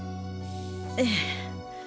ええ。